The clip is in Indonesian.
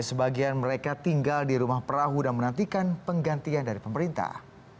sebagian mereka tinggal di rumah perahu dan menantikan penggantian dari pemerintah